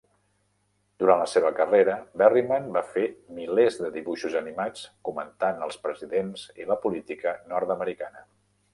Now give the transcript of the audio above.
Durant la seva carrera, Berryman va fer milers de dibuixos animats comentant els presidents i la política nord-americana.